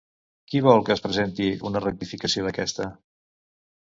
Qui vol que es presenti una rectificació d'aquesta?